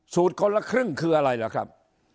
คนละครึ่งคืออะไรล่ะครับ